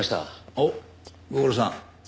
おうご苦労さん。